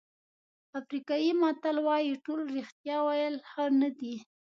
افریقایي متل وایي ټول رښتیا ویل ښه نه دي.